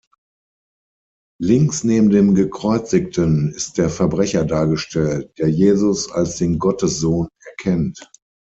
Links neben dem Gekreuzigten ist der Verbrecher dargestellt, der Jesus als den Gottessohn erkennt.